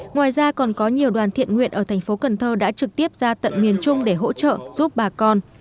ngoài ra còn có nhiều đoàn thiện nguyện ở thành phố cần thơ đã trực tiếp ra tận miền trung để hỗ trợ giúp bà con